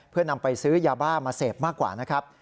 เพื่อนำไปซื้อยาบ้ามาเสพมากกว่านะครับ